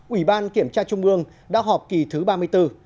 ủy ban kiểm tra trung ương đã họp kỳ thứ ba mươi bốn